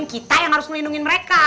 kita yang harus melindungi mereka